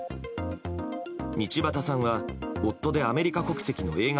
道端さんは夫で、アメリカ国籍の映画